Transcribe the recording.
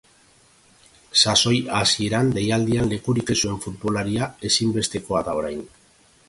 Sasoi hasieran deialdian lekurik ez zuen futbolaria ezinbestekoa da orain.